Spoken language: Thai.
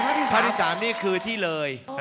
ภาพที่สามนี่คือที่เลย